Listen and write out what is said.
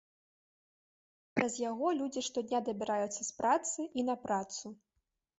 Праз яго людзі штодня дабіраюцца з працы і на працу.